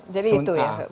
jadi itu ya